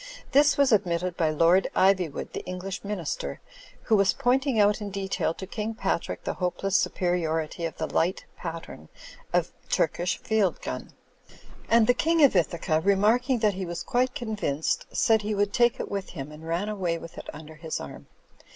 This was admitted by Lord Ivywood, the English Minister, who was pointing out in detail to King Patrick the hopeless superiority of the light pattern of Turkish field gun ; and the King of Ithaca, remarking that he was quite convinced, said he would take it with him, and ran away with it under his arm.